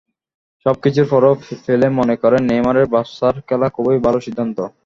সবকিছুর পরও পেলে মনে করেন, নেইমারের বার্সায় খেলা খুবই ভালো সিদ্ধান্ত।